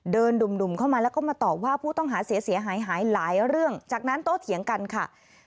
ดุ่มเข้ามาแล้วก็มาตอบว่าผู้ต้องหาเสียหายหายหลายเรื่องจากนั้นโตเถียงกันค่ะ